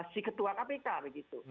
di ketua kpk begitu